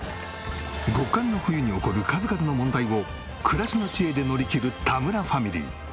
極寒の冬に起こる数々の問題を暮らしの知恵で乗り切る田村ファミリー。